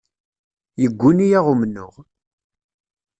Yegguni-aɣ umennuɣ.